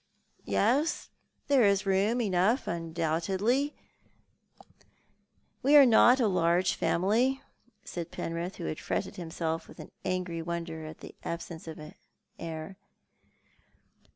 *' Yes, there is room enough, undoubtedly. "We are not a large family," said Penrith, who had fretted himself with au angry wonder at the absence of an heir.